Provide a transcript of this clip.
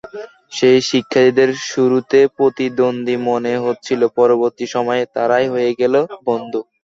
যেই শিক্ষার্থীদের শুরুতে প্রতিদ্বন্দ্বী মনে হচ্ছিল, পরবর্তী সময়ে তারাই হয়ে গেল বন্ধু।